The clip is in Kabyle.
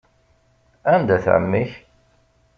Anda-t ɛemmi-k?